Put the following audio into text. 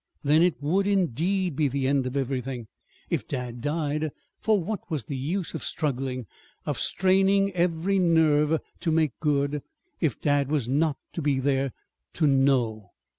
Then it would, indeed, be the end of everything, if dad died; for what was the use of struggling, of straining every nerve to make good, if dad was not to be there to know?